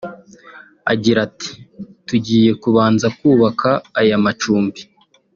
Agira ati “Tugiye kubanza kubaka aya macumbi